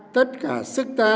tất cả sức tạp